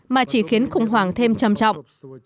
mà chỉ khiến khủng hoảng thêm trầm trọng